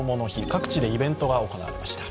各地でイベントが行われました。